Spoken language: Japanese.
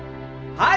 はい！